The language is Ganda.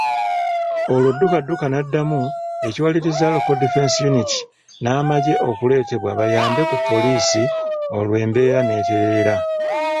Olwo dduka dduka n'addamu ekiwalirizza Local Defence Unity n'amagye okuleetebwa bayambe ku poliisi olwo embeera n'etereera.